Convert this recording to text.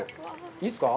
いいですか？